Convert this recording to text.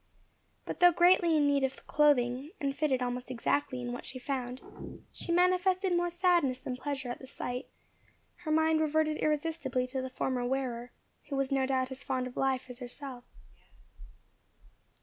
But though greatly in need of clothing, and fitted almost exactly in what she found, she manifested more sadness than pleasure at the sight; her mind reverted irresistibly to the former wearer, who was no doubt as fond of life as herself.